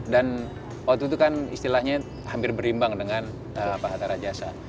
dan waktu itu kan istilahnya hampir berimbang dengan pak hatta rajasa